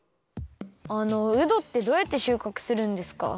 あのうどってどうやってしゅうかくするんですか？